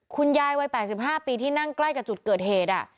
คุณยายวัย๘๕ปีที่นั่งใกล้กับจุดเกิดเหตุ